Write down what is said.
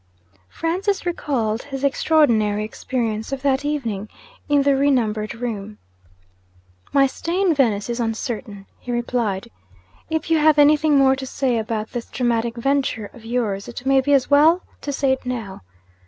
Francis recalled his extraordinary experience of that evening in the re numbered room. 'My stay in Venice is uncertain,' he replied. 'If you have anything more to say about this dramatic venture of yours, it may be as well to say it now.